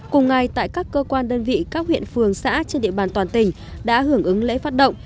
cùng ngày tại các cơ quan đơn vị các huyện phường xã trên địa bàn toàn tỉnh đã hưởng ứng lễ phát động